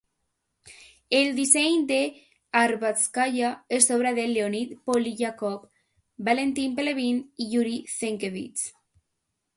El disseny de Arbatskaya és obra de Leonid Polyakov, Valentin Pelevin i Yury Zenkevich.